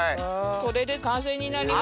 これで完成になります。